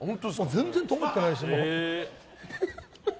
全然とがってないし。